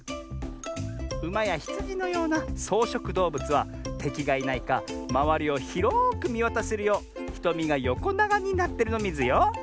ウマやヒツジのようなそうしょくどうぶつはてきがいないかまわりをひろくみわたせるようひとみがよこながになってるのミズよ。